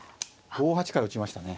５八から打ちましたね。